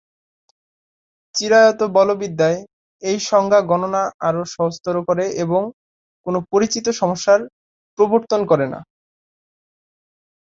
চিরায়ত বলবিদ্যায়, এই সংজ্ঞা গণনা আরো সহজতর করে এবং কোন পরিচিত সমস্যার প্রবর্তন করে না।